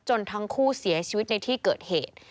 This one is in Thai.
ทั้งคู่เสียชีวิตในที่เกิดเหตุ